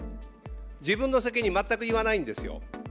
自分の責任、全く言わないんですよ。